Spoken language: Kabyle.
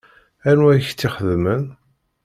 Anwa i k-tt-ixedmen?